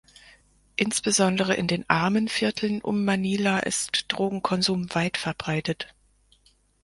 Insbesondere in den Armenvierteln um Manila ist Drogenkonsum weit verbreitet.